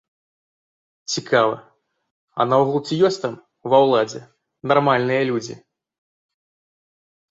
Цікава, а наогул ці ёсць там, ва ўладзе, нармальныя людзі?